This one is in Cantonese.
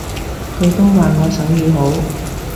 佢都話我手語好